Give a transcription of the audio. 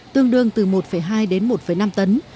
tương đương từ một hai đến một năm tấn